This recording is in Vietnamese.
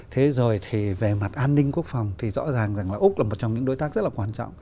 thế rồi thì về mặt an ninh quốc phòng thì rõ ràng rằng là úc là một trong những đối tác rất là quan trọng